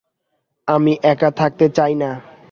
আমি একা থাকতে চাই না।